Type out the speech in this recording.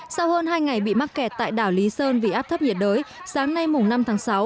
sau hơn hai ngày bị mắc kẹt tại đảo lý sơn vì áp thấp nhiệt đới sáng nay năm tháng sáu